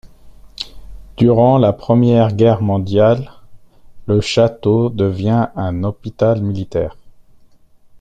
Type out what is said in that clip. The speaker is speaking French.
Durant la Première Guerre mondiale, le château devient un hôpital militaire.